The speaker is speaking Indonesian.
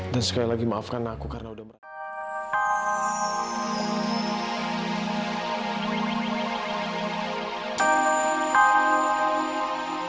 dan sekali lagi maafkan aku karena udah merahsiakannya